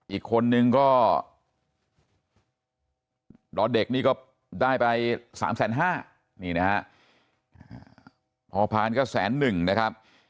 อีกคนนึงก็หลอดเด็กนี่ก็ได้ไปสามแสนห้านี่นะพอพรก็แสนหนึ่งนะครับ